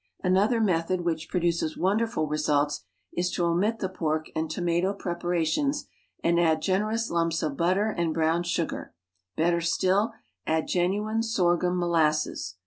Another method which produces wonderful results is to omit the pork and tomato preparations and add gener ous lumps of butter and brown sugar — better still, add genuine sorghum molasses.